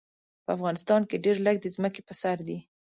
په افغانستان کې ډېر لږ د ځمکې په سر دي.